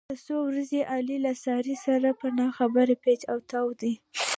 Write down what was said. دا څو ورځې علي له سارې سره په نه خبره پېچ او تاو دی.